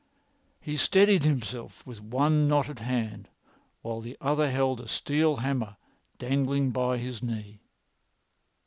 He steadied himself with one knotted hand, while the other held a steel hammer dangling by his knee.